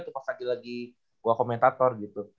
tepat tepat lagi lagi gue komentator gitu